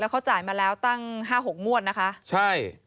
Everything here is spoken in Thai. แล้วเขาจ่ายมาแล้วตั้ง๕๖มวลนะคะใช่